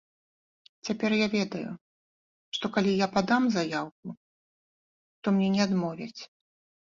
Цяпер я ведаю, што калі я падам заяўку, то мне не адмовяць.